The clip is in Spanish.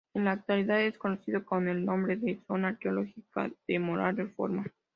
En la actualidad, es conocido con el nombre de zona arqueológica de Moral Reforma.